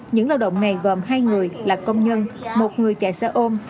những lao động này gồm hai người là công nhân một người chạy xe ôm